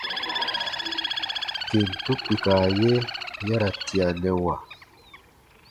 Kentu kpika ye ya ra tianɛwa.